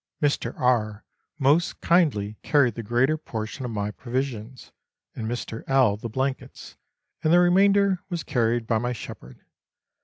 Mr.. R. most kindly carried the greater portion of my provisions,, and Mr. L. the blankets, and the remainder was carried by my shepherd.